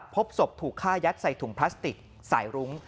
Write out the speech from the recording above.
พบศพถูกฆ่ายัดใส่ถุงพลาสติกสายรุ้ง